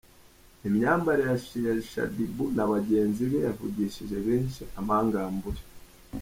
Imyambarire ya Shaddy Boo na bagenzi be yavugishije benshi amangambure.